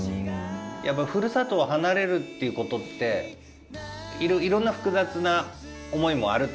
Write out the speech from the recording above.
やっぱりふるさとを離れるっていうことっていろんな複雑な思いもあると思うんですよ。